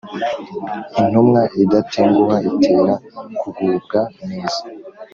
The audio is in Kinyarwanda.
intumwa idatenguha itera kugubwa neza